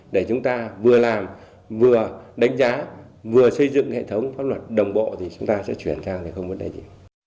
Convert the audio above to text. để chúng ta vừa làm vừa đánh giá vừa xây dựng hệ thống pháp luật đồng bộ thì chúng ta sẽ chuyển sang thì không vấn đề gì